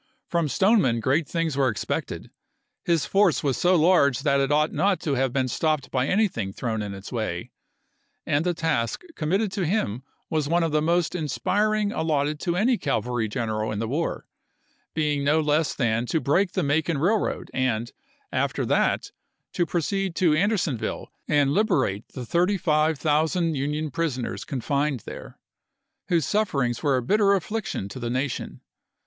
From Stoneman great things were expected ; his force was so large that it ought not to have been stopped by anything thrown in its way ; and the task com mitted to him was one of the most inspiring allotted to any cavalry general in the war, being no less than to break the Macon railroad and, after that, to proceed to Anderson ville and liberate the thirty five thousand Union prisoners confined there, whose sufferings were a bitter affliction to the nation.